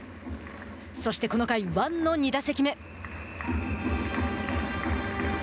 そしてこの回、王の２打席目。